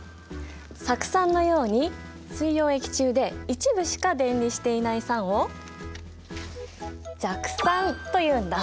酢酸のように水溶液中で一部しか電離していない酸を弱酸というんだ。